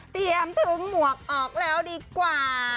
เตรียมถึงหมวกออกแล้วดีกว่า